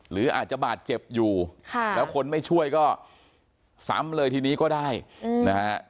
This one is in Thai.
หรืออาจจะบาดเจ็บอยู่แล้วคนไม่ช่วยก็ซ้ำเลยทีนี้ก็ได้นะฮะ